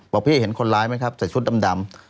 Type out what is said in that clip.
บอกพี่เห็นคนร้ายไหมครับใส่ชุดดำ